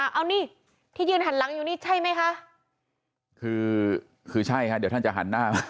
เขาต้องการการปกป้วย